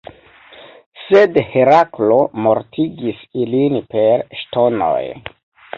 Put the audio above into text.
Sed Heraklo mortigis ilin per ŝtonoj.